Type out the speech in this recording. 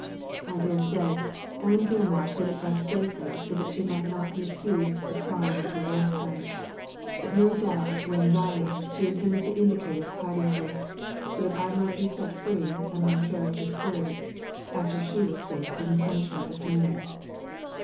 I dare say Ellen Gilmar hid it thus safely so that she might not be accused of the crime in her lifetime ; but no doubt when dying she •43 Digitized by Google 244 THE LADY FROM NOWHERE intended to indicate its hiding place, so that I might be set free and my character cleared, after she was safe from the punishment of man."